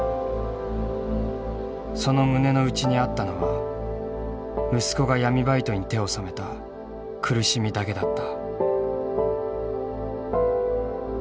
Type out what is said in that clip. その胸の内にあったのは息子が闇バイトに手を染めた苦しみだけだった。